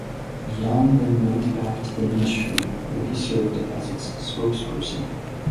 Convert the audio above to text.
Byeon then went back to the Ministry where he served as its spokesperson.